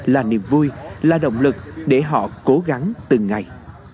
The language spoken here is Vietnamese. là niềm vui là động lực để họ cố gắng từng ngày